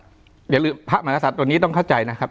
อย่าลืมพระมหากษัตริย์ตัวนี้ต้องเข้าใจนะครับ